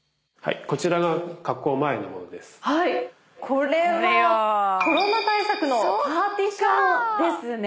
これはコロナ対策のパーティションですね。